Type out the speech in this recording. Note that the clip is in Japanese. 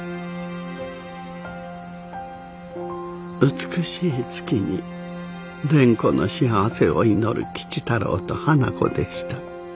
美しい月に蓮子の幸せを祈る吉太郎と花子でした。